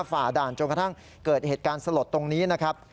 ฝ่าด่านจนกระทั่งเกิดเหตุการณ์สลดตรงนี้นะครับ